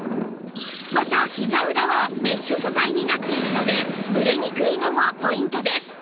またひざ裏はメッシュ素材になっているので蒸れにくいのもポイントです